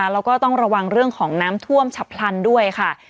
แล้วก็ต้องระวังเรื่องของน้ำท่วมฉับพลันด้วยค่ะ